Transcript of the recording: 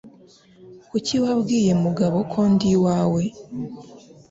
Kuki wabwiye Mugabo ko ndi iwawe?